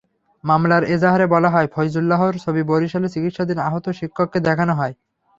মামলার এজাহারে বলা হয়, ফয়জুল্লাহর ছবি বরিশালে চিকিৎসাধীন আহত শিক্ষককে দেখানো হয়।